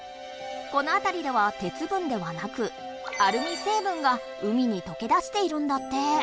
このあたりでは鉄分ではなくアルミ成分が海にとけ出しているんだって。